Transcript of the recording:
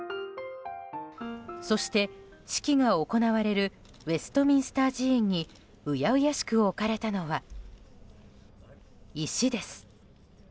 そして、式が行われるウェストミンスター寺院に恭しく置かれたのは、石です。